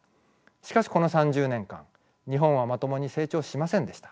しかしこの３０年間日本はまともに成長しませんでした。